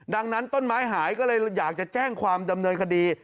ดังนั้นต้นไม้หายก็เลยอยากจะแจ้งความดำเนินคดี